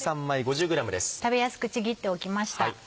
食べやすくちぎっておきました。